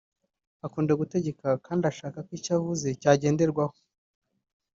akunda gutegeka kandi ashaka ko icyo avuze cyagenderwaho